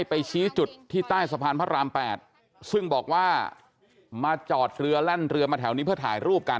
พร้อมพูดทุกอย่างพูดความจริงทั้งหมดใช่ไหมคะ